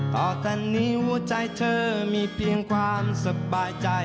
ต่อแต่นิ้วใจเธอมีเพียงความสบายใจ